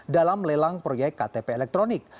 dalam lelang proyek ktp elektronik